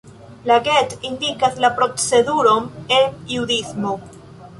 La Get indikas la proceduron en judismo.